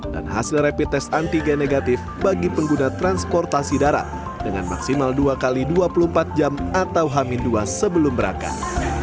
hasil rapid test antigen negatif bagi pengguna transportasi darat dengan maksimal dua x dua puluh empat jam atau hamin dua sebelum berangkat